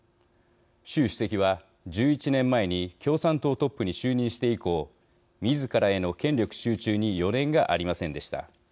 習主席は１１年前に共産党トップに就任して以降みずからへの権力集中に余念がありませんでした。